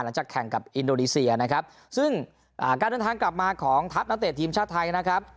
หลังจากแข่งกับอินโดนีเซียนะครับซึ่งอ่าการเดินทางกลับมาของทัพนักเตะทีมชาติไทยนะครับ